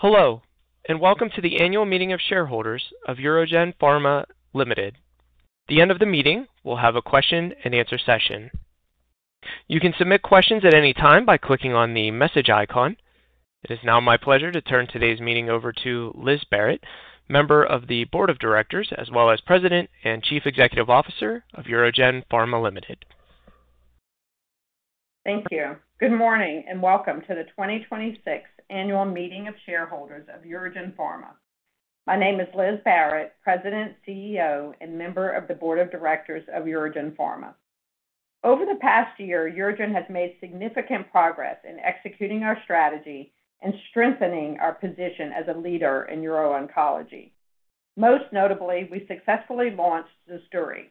Hello, welcome to the annual meeting of shareholders of UroGen Pharma Ltd. The end of the meeting will have a question and answer session. You can submit questions at any time by clicking on the message icon. It is now my pleasure to turn today's meeting over to Liz Barrett, member of the Board of Directors, as well as President and Chief Executive Officer of UroGen Pharma Ltd. Thank you. Good morning, welcome to the 2026 annual meeting of shareholders of UroGen Pharma. My name is Liz Barrett, President, CEO, and member of the Board of Directors of UroGen Pharma. Over the past year, UroGen has made significant progress in executing our strategy and strengthening our position as a leader in uro-oncology. Most notably, we successfully launched ZUSDURI,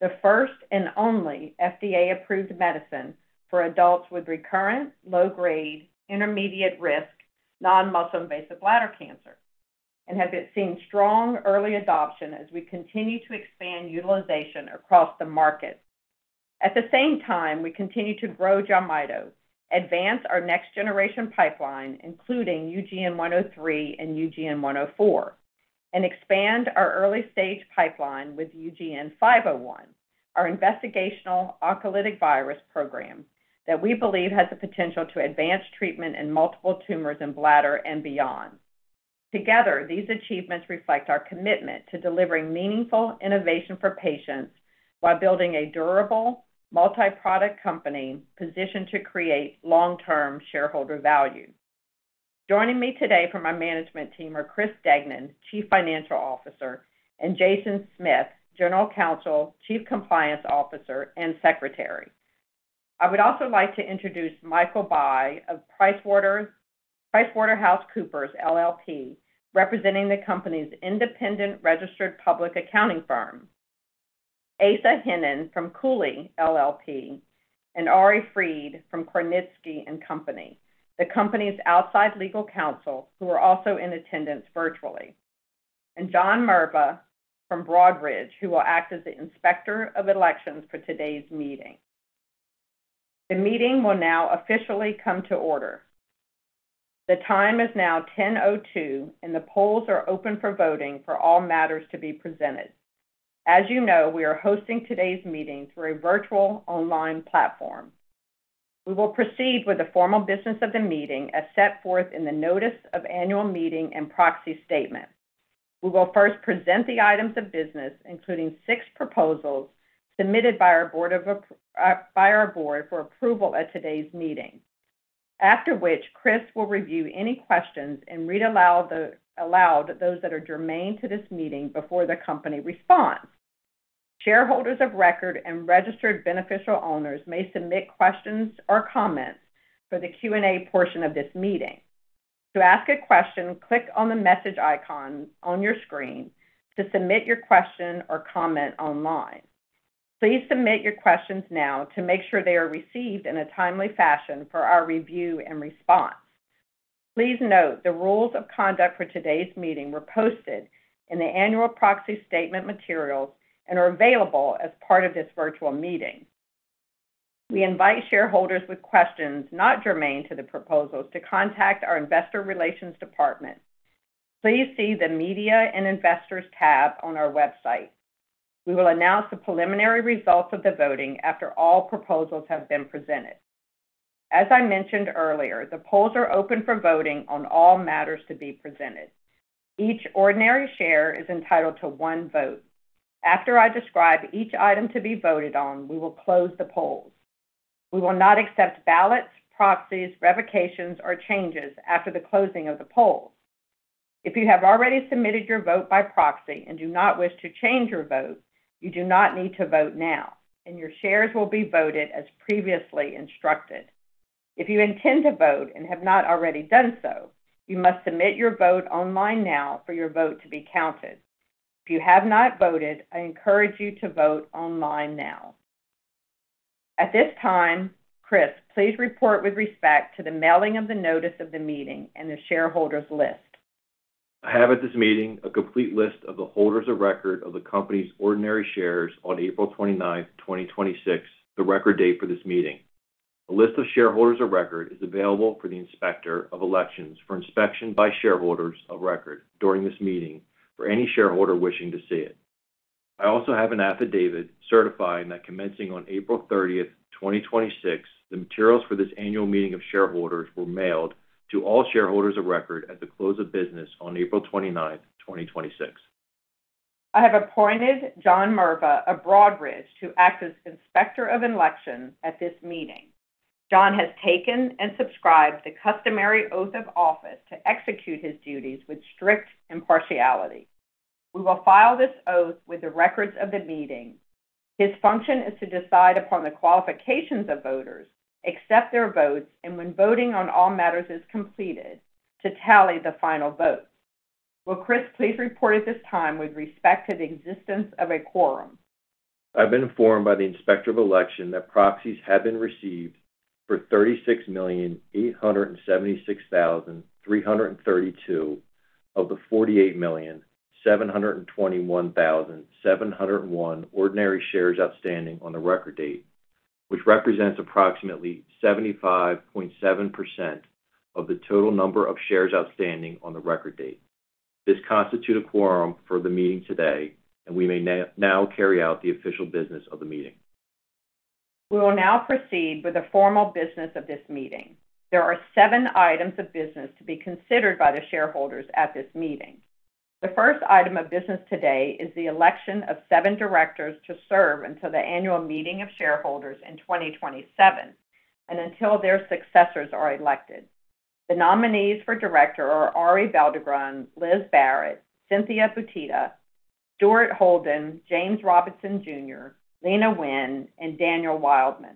the first and only FDA-approved medicine for adults with recurrent, low-grade, intermediate-risk non-muscle invasive bladder cancer and have been seeing strong early adoption as we continue to expand utilization across the market. At the same time, we continue to grow JELMYTO, advance our next-generation pipeline, including UGN-103 and UGN-104, and expand our early-stage pipeline with UGN-501, our investigational oncolytic virus program that we believe has the potential to advance treatment in multiple tumors in bladder and beyond. Together, these achievements reflect our commitment to delivering meaningful innovation for patients while building a durable multi-product company positioned to create long-term shareholder value. Joining me today from my management team are Chris Degnan, Chief Financial Officer, and Jason Smith, General Counsel, Chief Compliance Officer, and Secretary. I would also like to introduce Michael Bai of PricewaterhouseCoopers LLP, representing the company's independent registered public accounting firm, Asa Henin from Cooley LLP, and Ari Freed from Gornitzky & Co., the company's outside legal counsel, who are also in attendance virtually, and John Murtha from Broadridge, who will act as the Inspector of Elections for today's meeting. The meeting will now officially come to order. The time is now 10:02 A.M., the polls are open for voting for all matters to be presented. As you know, we are hosting today's meeting through a virtual online platform. We will proceed with the formal business of the meeting as set forth in the notice of annual meeting and proxy statement. We will first present the items of business, including six proposals submitted by our board for approval at today's meeting, after which Chris will review any questions and read aloud those that are germane to this meeting before the company responds. Shareholders of record and registered beneficial owners may submit questions or comments for the Q&A portion of this meeting. To ask a question, click on the message icon on your screen to submit your question or comment online. Please submit your questions now to make sure they are received in a timely fashion for our review and response. Please note, the rules of conduct for today's meeting were posted in the annual proxy statement materials and are available as part of this virtual meeting. We invite shareholders with questions not germane to the proposals to contact our investor relations department. Please see the Media and Investors tab on our website. We will announce the preliminary results of the voting after all proposals have been presented. As I mentioned earlier, the polls are open for voting on all matters to be presented. Each ordinary share is entitled to one vote. After I describe each item to be voted on, we will close the polls. We will not accept ballots, proxies, revocations, or changes after the closing of the polls. If you have already submitted your vote by proxy and do not wish to change your vote, you do not need to vote now, and your shares will be voted as previously instructed. If you intend to vote and have not already done so, you must submit your vote online now for your vote to be counted. If you have not voted, I encourage you to vote online now. At this time, Chris, please report with respect to the mailing of the notice of the meeting and the shareholders list. I have at this meeting a complete list of the holders of record of the company's ordinary shares on April 29th, 2026, the record date for this meeting. A list of shareholders of record is available for the Inspector of Elections for inspection by shareholders of record during this meeting for any shareholder wishing to see it. I also have an affidavit certifying that commencing on April 30th, 2026, the materials for this annual meeting of shareholders were mailed to all shareholders of record at the close of business on April 29th, 2026. I have appointed John Murva of Broadridge to act as Inspector of Elections at this meeting. John has taken and subscribed the customary oath of office to execute his duties with strict impartiality. We will file this oath with the records of the meeting. His function is to decide upon the qualifications of voters, accept their votes, and when voting on all matters is completed, to tally the final votes. Will Chris please report at this time with respect to the existence of a quorum? I've been informed by the Inspector of Election that proxies have been received for 36,876,332 of the 48,721,701 ordinary shares outstanding on the record date, which represents approximately 75.7% of the total number of shares outstanding on the record date. This constitute a quorum for the meeting today. We may now carry out the official business of the meeting. We will now proceed with the formal business of this meeting. There are seven items of business to be considered by the shareholders at this meeting. The first item of business today is the election of seven directors to serve until the annual meeting of shareholders in 2027 and until their successors are elected. The nominees for director are Arie Belldegrun, Liz Barrett, Cynthia Butitta, Stuart Holden, James Robinson Jr., Leana Wen, and Daniel Wildman.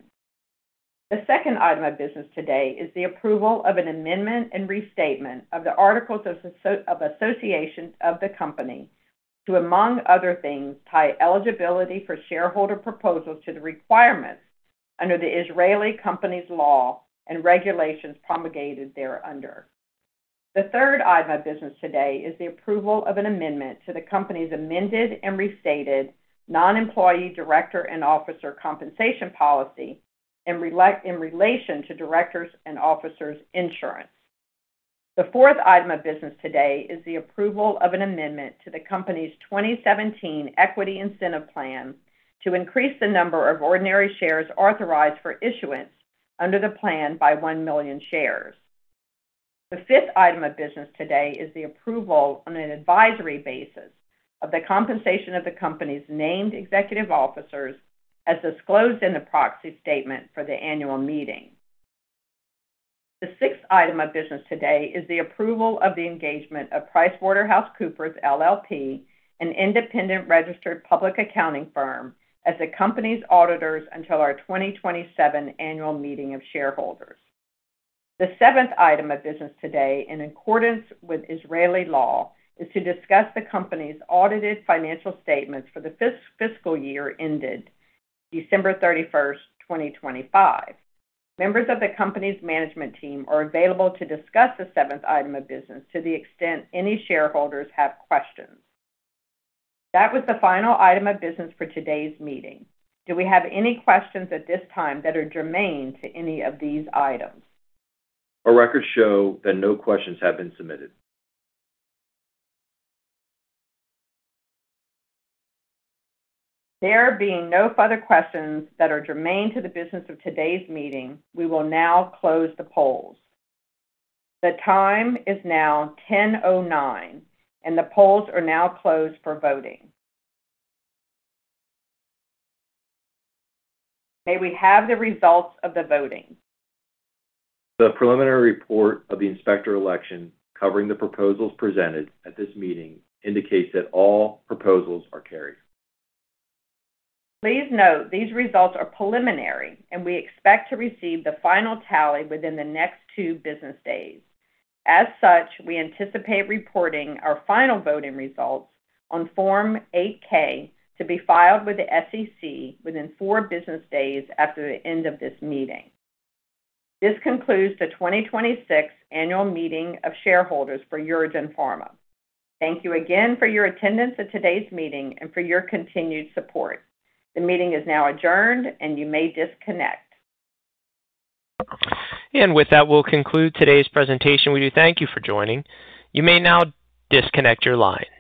The second item of business today is the approval of an amendment and restatement of the articles of association of the company to, among other things, tie eligibility for shareholder proposals to the requirements under the Israeli Companies Law and regulations promulgated thereunder. The third item of business today is the approval of an amendment to the company's amended and restated non-employee director and officer compensation policy in relation to directors' and officers' insurance. The fourth item of business today is the approval of an amendment to the company's 2017 Equity Incentive Plan to increase the number of ordinary shares authorized for issuance under the plan by 1 million shares. The fifth item of business today is the approval on an advisory basis of the compensation of the company's named executive officers as disclosed in the proxy statement for the annual meeting. The sixth item of business today is the approval of the engagement of PricewaterhouseCoopers LLP, an independent registered public accounting firm, as the company's auditors until our 2027 annual meeting of shareholders. The seventh item of business today, in accordance with Israeli law, is to discuss the company's audited financial statements for the fiscal year ended December 31st, 2025. Members of the company's management team are available to discuss the seventh item of business to the extent any shareholders have questions. That was the final item of business for today's meeting. Do we have any questions at this time that are germane to any of these items? Our records show that no questions have been submitted. There being no further questions that are germane to the business of today's meeting, we will now close the polls. The time is now 10:09, and the polls are now closed for voting. May we have the results of the voting? The preliminary report of the Inspector of Elections covering the proposals presented at this meeting indicates that all proposals are carried. Please note, these results are preliminary, and we expect to receive the final tally within the next two business days. As such, we anticipate reporting our final voting results on Form 8-K to be filed with the SEC within four business days after the end of this meeting. This concludes the 2026 annual meeting of shareholders for UroGen Pharma. Thank you again for your attendance at today's meeting and for your continued support. The meeting is now adjourned, and you may disconnect. With that, we'll conclude today's presentation. We do thank you for joining. You may now disconnect your line.